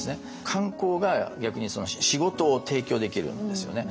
観光が逆にその仕事を提供できるんですよね。